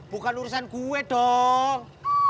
bukan urusan gue dong